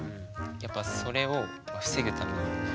やっぱそれを防ぐために。